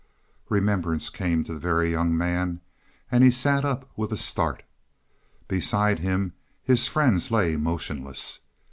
Remembrance came to the Very Young Man, and he sat up with a start. Beside him his friends lay motionless.